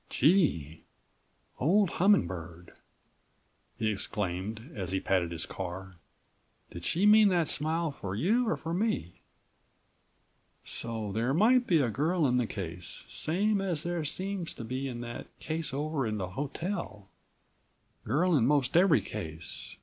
"Gee! Old Humming Bird," he exclaimed as he patted his car, "did she mean that smile for you or for me? So there might be a girl in the case, same as there seems to be in that one over at the hotel? Girl in most every case.